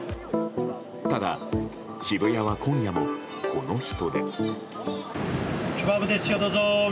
ただ、渋谷は今夜もこの人出。